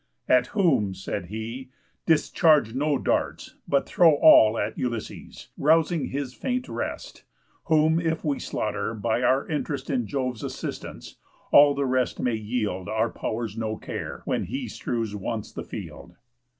"At whom," said he, "discharge no darts, but throw All at Ulysses, rousing his faint rest; Whom if we slaughter, by our interest In Jove's assistance, all the rest may yield Our pow'rs no care, when he strews once the field."